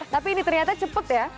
tapi ini ternyata cepet ya